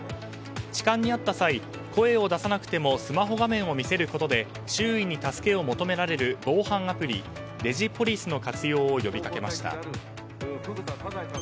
痴漢にあった際声を出さなくてもスマホ画面を見せることで周囲に助けを求められる防犯アプリＤｉｇｉＰｏｌｉｃｅの活用を呼びかけました。